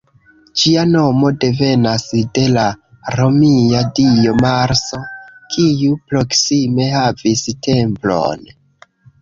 Ĝia nomo devenas de la romia dio Marso, kiu proksime havis templon.